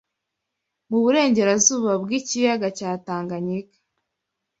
mu burengerazuba bw’ikiyaga cya Tanganyika